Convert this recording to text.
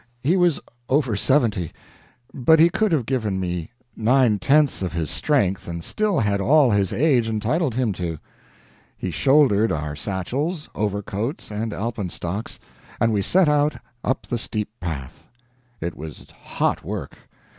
He was over seventy, but he could have given me nine tenths of his strength and still had all his age entitled him to. He shouldered our satchels, overcoats, and alpenstocks, and we set out up the steep path. It was hot work.